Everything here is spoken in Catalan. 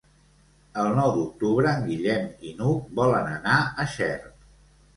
El nou d'octubre en Guillem i n'Hug volen anar a Xert.